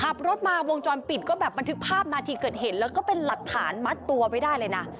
ขับรถมาวงจรปิดก็แบบบันทึกภาพนาทีเกิดเหตุแล้วก็เป็นหลักฐานมัดตัวไว้ได้เลยนะ